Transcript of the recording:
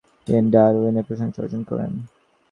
তিনি ডারউইনের প্রশংসা অর্জন করেন।